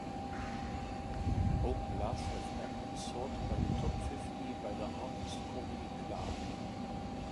Open Lastfm and sort by the top-fifty by the artist Korpiklaani.